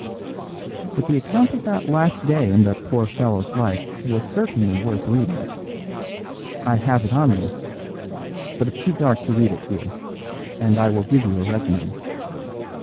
"But the account of that last day in the poor fellow's life was certainly worth reading. I have it on me; but it's too dark to read it here, and I will give you a resume.